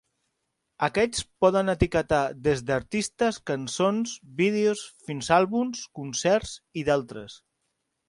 Aquests poden etiquetar des d'artistes, cançons, vídeos, fins a àlbums, concerts i d'altres.